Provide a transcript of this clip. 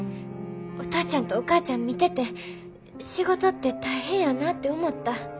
お父ちゃんとお母ちゃん見てて仕事って大変やなて思った。